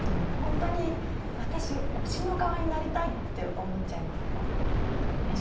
私推しの側になりたいって思っちゃいました。